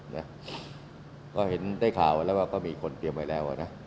นะก็เห็นได้ข่าวแล้วว่าก็มีคนเตรียมไว้แล้วอ่ะนะ